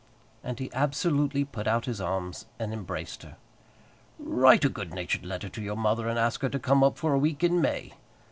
And he absolutely put out his arms and embraced her. "Write a good natured letter to your mother, and ask her to come up for a week in May.